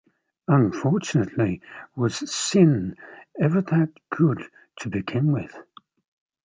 Unfortunately, was "Sin" ever that good to begin with?